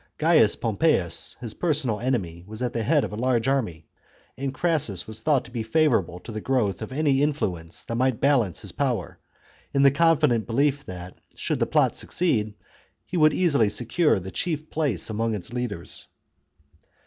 Gaius Pompeius, his personal enemy, was at the head of a large army, and Crassus was thought to be favourable to the growth of any influence that might balance his power, in the confident belief that, should the plot THE CONSPIRACY OF CATILINE. 1 5 succeed, he would easily secure the chief place among chap. its leaders.